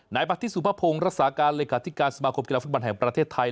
ปฏิสุภพงศ์รักษาการเลขาธิการสมาคมกีฬาฟุตบอลแห่งประเทศไทย